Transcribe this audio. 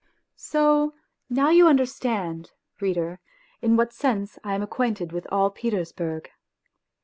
So now you understand, reader, in what sense I am acquainted with all Petersburg.